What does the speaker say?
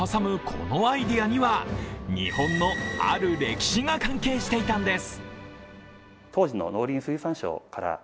このアイデアには日本のある歴史が関係していたんです。